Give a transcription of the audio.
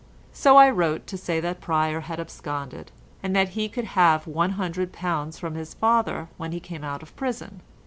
So I wrote to say that Pryer had absconded, and that he could have £100 from his father when he came out of prison.